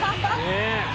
ねえ。